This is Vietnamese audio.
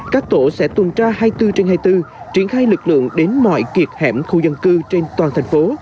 các tổ sẽ tuần tra hai mươi bốn trên hai mươi bốn triển khai lực lượng đến mọi kiệt hẻm khu dân cư trên toàn thành phố